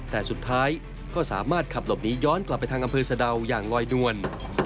แต่สุดท้ายก็สามารถขับหลบหนีย้อนกลับไปทางอำเภอสะดาวอย่างลอยนวล